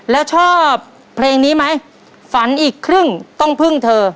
แล้วชอบเพลงนี้ไหมฝันอีกครึ่งต้องพึ่งเธอ